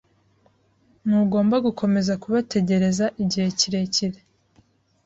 Ntugomba gukomeza kubategereza igihe kirekire.